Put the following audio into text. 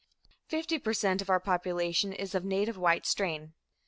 Fifty per cent of our population is of the native white strain.